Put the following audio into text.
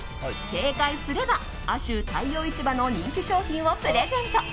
正解すれば亜州太陽市場の人気商品をプレゼント。